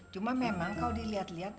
cuma memang kalau dilihat lihat